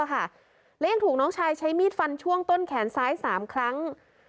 และยังถูกน้องชายใช้มีดฟันช่วงต้นแขนซ้าย๓ครั้ง